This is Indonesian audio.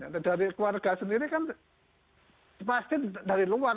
keluarga sendiri kan pasti dari luar